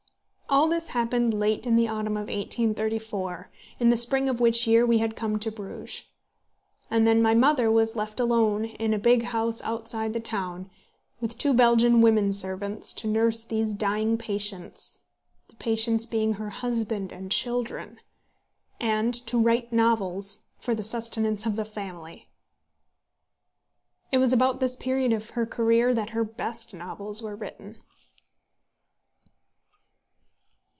All this happened late in the autumn of 1834, in the spring of which year we had come to Bruges; and then my mother was left alone in a big house outside the town, with two Belgian women servants, to nurse these dying patients the patients being her husband and children and to write novels for the sustenance of the family! It was about this period of her career that her best novels were written.